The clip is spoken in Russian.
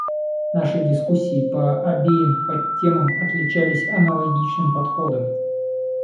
Наши дискуссии по обеим подтемам отличались аналогичным подходом.